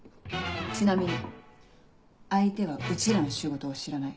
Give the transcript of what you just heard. ちなみに相手はうちらの仕事を知らない。